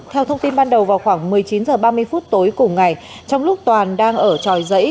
theo thông tin ban đầu vào khoảng một mươi chín h ba mươi phút tối cùng ngày trong lúc toàn đang ở tròi giấy